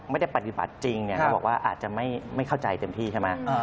ไม่ได้ปฏิบัติจริงเขาบอกว่าอาจจะไม่เข้าใจเต็มที่ใช่ไหม